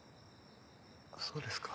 そうですか。